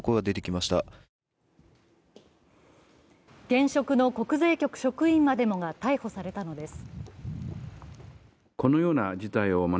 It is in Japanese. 現職の国税局職員までもが逮捕されたのです。